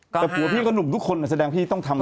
แต่ผัวพี่ก็หนุ่มทุกคนแสดงพี่ต้องทำ